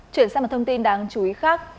chuyển sang một thông tin đáng chú ý khác